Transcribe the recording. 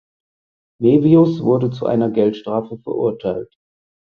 Mevius wurde zu einer Geldstrafe verurteilt.